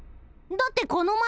だってこの前。